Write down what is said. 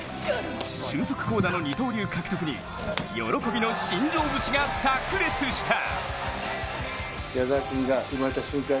俊足巧打の二刀流獲得に喜びの新庄節がさく裂した。